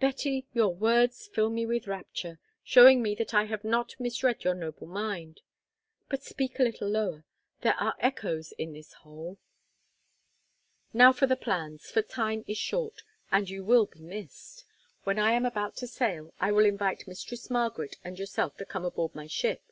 "Betty, your words fill me with rapture, showing me that I have not misread your noble mind; but speak a little lower—there are echoes in this hole. Now for the plans, for time is short, and you may be missed. When I am about to sail I will invite Mistress Margaret and yourself to come aboard my ship."